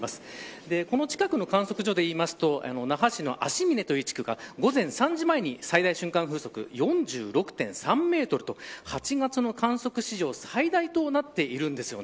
この近くの観測所でいいますと那覇市の安次嶺という地区が午前３時に最大瞬間風速４６．３メートルと８月の観測史上最大となっています。